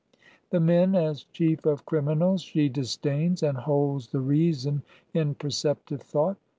The men as chief of criminals she disdains, And holds the reason in perceptive thought.